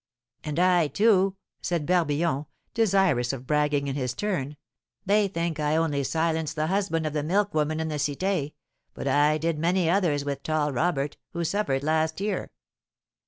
"And I, too," said Barbillon, desirous of bragging in his turn; "they think I only silenced the husband of the milk woman in the Cité, but I did many others with tall Robert, who suffered last year."